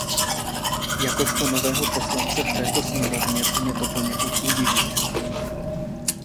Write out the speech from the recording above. Jakožto nového poslance v této sněmovně mě to poněkud udivuje.